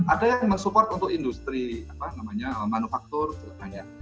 ada yang mensupport untuk industri apa namanya manufaktur segalanya